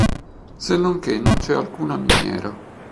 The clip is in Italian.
Sennonché non c'è alcuna miniera.